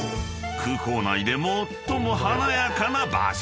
空港内で最も華やかな場所